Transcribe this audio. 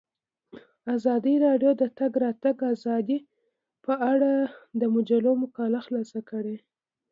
ازادي راډیو د د تګ راتګ ازادي په اړه د مجلو مقالو خلاصه کړې.